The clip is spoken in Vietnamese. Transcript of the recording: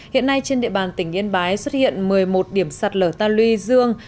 hiện nay trên địa bàn tỉnh yên bái xuất hiện một mươi một điểm sạt lở ta luy dương